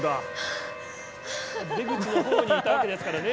出口の方にいたわけですからね。